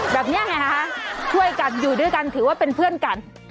แบบนี้ไงฮะช่วยกันอยู่ด้วยกันถือว่าเป็นเพื่อนกัน